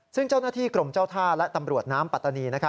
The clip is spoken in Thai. ซึ่งเจ้าหน้าที่กรมเจ้าท่าและตำรวจน้ำปัตตานี